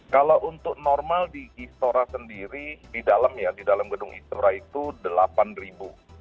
kalau untuk normal di istora sendiri di dalam gedung istora itu delapan ribu